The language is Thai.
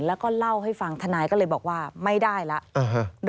แล้วก็เล่าให้ฟังทนายก็เลยบอกว่าไม่ได้แล้ว